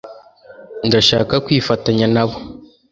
Ndashaka kwifatanya nabo